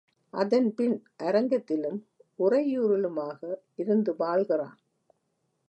அதன்பின் அரங்கத்திலும் உறையூரிலுமாக இருந்து வாழ்கிறான்.